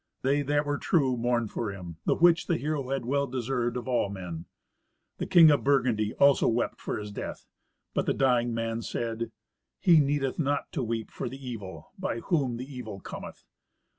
They that were true mourned for him, the which the hero had well deserved of all men. The King of Burgundy, also, wept for his death, but the dying man said, "He needeth not to weep for the evil, by whom the evil cometh.